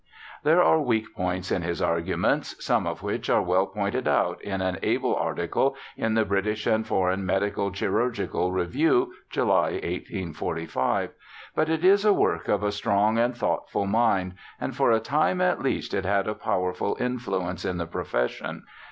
There are weak points in his arguments, some of which are well pointed out in an able article in the British and Foreign Mcdico Chirurgical Review (July, 1845), but it is the work of a strong and thoughtful mind, and for a time, at least, it had a powerful in fluence in the profession.